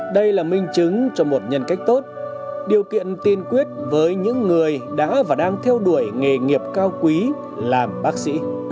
đây là minh chứng cho một nhân cách tốt điều kiện tiên quyết với những người đã và đang theo đuổi nghề nghiệp cao quý làm bác sĩ